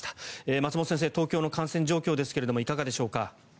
松本先生、東京の感染状況ですがいかがでしょうか。